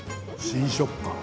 新食感。